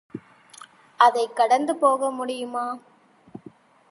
அதைக் கடந்து போக முடியுமா?